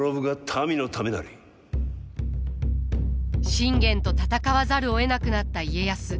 信玄と戦わざるをえなくなった家康。